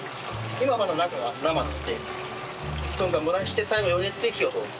今まだ中が生なので１分間蒸らして最後余熱で火を通す。